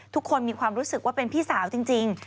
ทุกคนมีความรู้สึกว่าเป็นพี่สาวจริง